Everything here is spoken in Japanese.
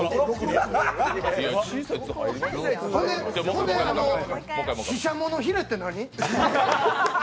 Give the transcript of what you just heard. ほんで、ししゃものひれって何？